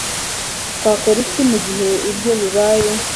Twakora iki mugihe ibyo bibaye